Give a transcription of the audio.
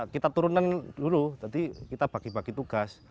kita turunkan dulu jadi kita bagi bagi tugas